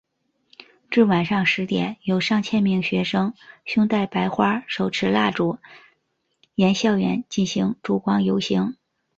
至晚上十点有上千名学生胸带白花手持蜡烛沿校园进行烛光游行。